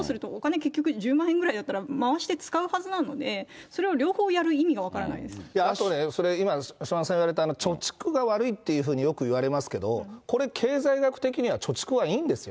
結局１０万円ぐらいだったら回して使うはずなので、それを両方やる意味が分かあとね、それ今、島田さん言われた貯蓄が悪いっていうふうに、よく言われますけど、これ、経済学的には貯蓄はいいんですよ。